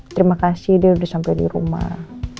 terima kasih dia udah sampe di rumah